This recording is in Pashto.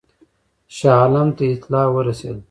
شاه عالم ته اطلاع ورسېده.